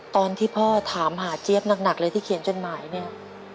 ตอนที่พ่อถามหาเจี๊ยบหนักเลยที่เขียนจดหมายเนี่ย